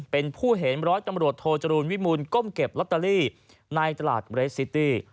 โทรจรูลวิมูลก้มเก็บลัตเตอรี่ในตลาดเมริกซ์ซิตี้